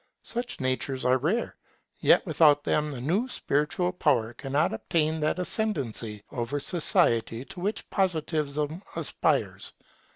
Such natures are rare; yet without them the new spiritual power cannot obtain that ascendancy over society to which Positivism aspires.